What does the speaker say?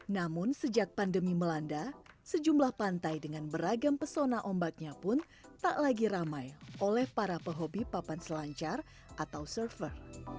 namun sejak pandemi melanda sejumlah pantai dengan beragam pesona ombaknya pun tak lagi ramai oleh para pehobi papan selancar atau server